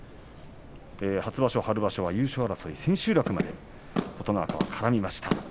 初場所、春場所は優勝争い千秋楽まで琴ノ若が絡みました。